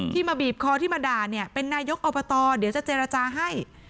มาบีบคอที่มาด่าเนี่ยเป็นนายกอบตเดี๋ยวจะเจรจาให้